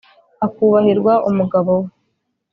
akubahirwa umugabo we